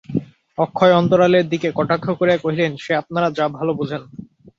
অক্ষয় অন্তরালের দিকে কটাক্ষ করিয়া কহিলেন সে আপনারা যা ভালো বোঝেন!